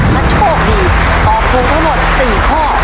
ถ้าโชคดีตอบถูกทั้งหมด๔ข้อ